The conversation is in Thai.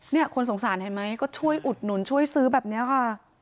คนสงสารเห็นไหมก็ช่วยอุดหนุนช่วยซื้อแบบนี้ค่ะ